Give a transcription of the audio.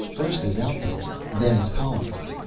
First as outposts, then as colonies.